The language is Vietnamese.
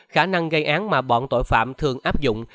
khả năng gây án mà bọn tội phạm thường áp dụng